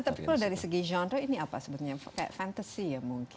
tapi kalau dari segi genre ini apa sebenarnya kayak fantasy ya mungkin